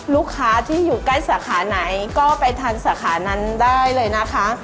ลูกค้าที่อยู่ใกล้สาขาไหนก็ไปทานสาขานั้นได้เลยนะคะ